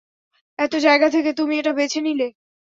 এত জায়গা থেকে, তুমি এটা বেছে নিলে?